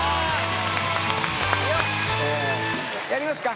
やりますか！